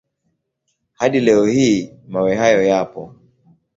Hadi leo hii mawe hayo yapo.